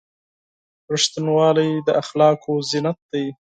• رښتینولي د اخلاقو زینت دی.